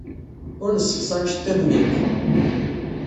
Ur nessexṣar iceḍḍiḍen-nneɣ.